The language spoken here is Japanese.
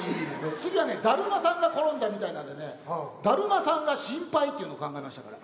次はねだるまさんが転んだみたいなんでねだるまさんが心配っていうの考えましたから。